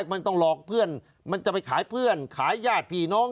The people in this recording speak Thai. มันต้องหลอกเพื่อนมันจะไปขายเพื่อนขายญาติพี่น้อง